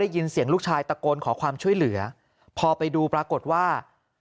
ยินเสียงลูกชายตะโกนขอความช่วยเหลือพอไปดูปรากฏว่า